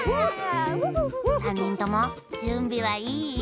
さんにんともじゅんびはいい？